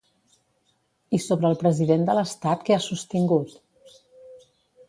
I sobre el president de l'estat què ha sostingut?